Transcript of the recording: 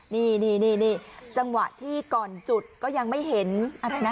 นี่จังหวะที่ก่อนจุดก็ยังไม่เห็นอะไรนะ